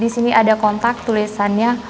disini ada kontak tulisannya